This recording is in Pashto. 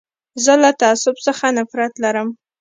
زه له تعصب څخه نفرت لرم.